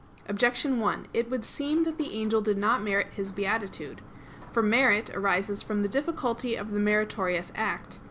Objection 1: It would seem that the angel did not merit his beatitude. For merit arises from the difficulty of the meritorious act.